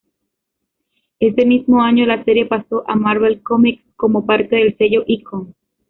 Ese mismo año, la serie pasó a Marvel Comics como parte del sello Icon.